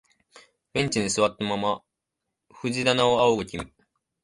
ベンチに座ったまま藤棚を仰ぐ君、